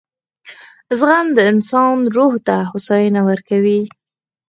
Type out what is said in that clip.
• زغم د انسان روح ته هوساینه ورکوي.